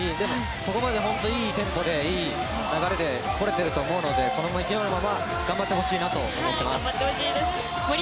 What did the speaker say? ここまでいいテンポでいい流れでこれていると思うのでこの勢いのまま頑張ってほしいです。